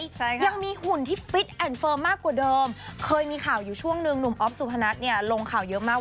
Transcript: ใช่ค่ะยังมีหุ่นที่ฟิตแอนด์เฟิร์มมากกว่าเดิมเคยมีข่าวอยู่ช่วงหนึ่งหนุ่มอ๊อฟสุพนัทเนี่ยลงข่าวเยอะมากว่า